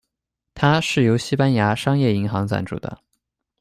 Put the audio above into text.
它是由西班牙商业银行赞助的。